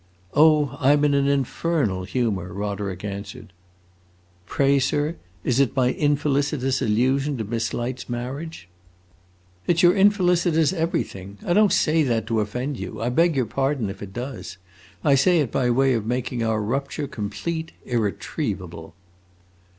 "Oh, I 'm in an infernal humor!" Roderick answered. "Pray, sir, is it my infelicitous allusion to Miss Light's marriage?" "It 's your infelicitous everything! I don't say that to offend you; I beg your pardon if it does. I say it by way of making our rupture complete, irretrievable!"